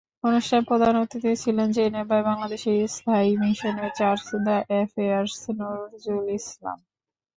অনুষ্ঠানে প্রধান অতিথি ছিলেন জেনেভায় বাংলাদেশের স্থায়ী মিশনের চার্জ দ্য অ্যাফেয়ার্স নজরুল ইসলাম।